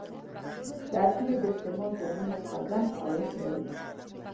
د اپینو د استعمال زیانونه څرګند او وشماري.